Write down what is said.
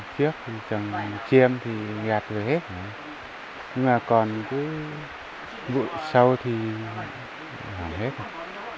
năm trường chiêm thì gạt rồi hết nhưng mà còn cái vụn sâu thì hỏng hết rồi